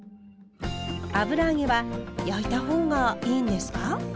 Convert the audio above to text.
油揚げは焼いた方がいいんですか？